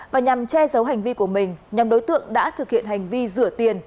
và nhằm che giấu hành vi của mình nhằm đối tượng đã thực hiện hành vi rửa tiền